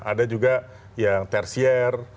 ada juga yang tertiar